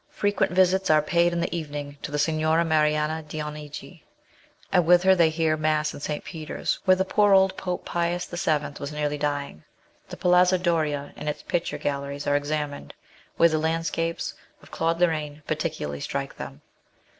Frequent visits are paid in the evening to the Signora Marianna Dionigi, and with her they hear Mass in St. Peter's, where the poor old Pope Pius VII was nearly dying. The Palazzo Doria and its picture gallery are examined, where the land scapes of Claude Lorraine particularly strike them.